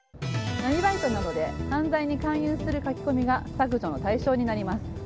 闇バイトなどで犯罪に勧誘する書き込みが削除の対象になります。